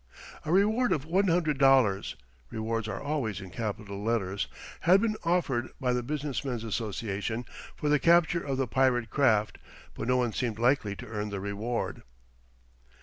A reward of One Hundred Dollars (rewards are always in capital letters) had been offered by the Business Men's Association for the capture of the pirate craft, but no one seemed likely to earn the reward.